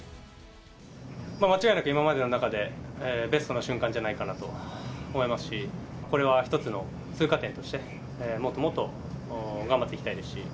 間違いなく今までの中でベストな瞬間じゃないかなと思いますし、これは一つの通過点として、もっともっと頑張っていきたいですし。